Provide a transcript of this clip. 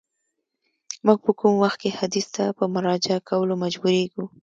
موږ په کوم وخت کي حدیث ته په مراجعه کولو مجبوریږو؟